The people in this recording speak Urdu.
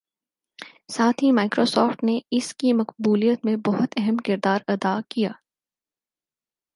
ساتھ ہی مائیکروسوفٹ نے اس کی مقبولیت میں بہت اہم کردار ادا کیا